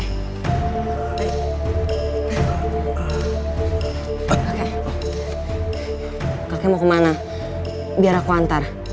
kakek mau kemana biar aku antar